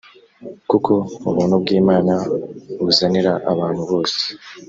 kuko ubuntu bw imana buzanira abantu bose